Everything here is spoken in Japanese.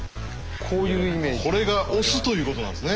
これが押すということなんですね。